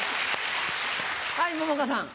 はい桃花さん。